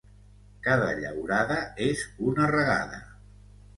Cada llaurada és una regada.